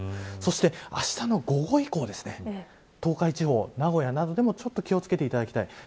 そして、あしたの午後以降東海地方、名古屋などでも気を付けていただきたい。